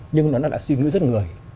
nhưng nó là suy nghĩ rất người